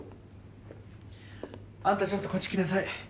あんたちょっとこっち来なさい。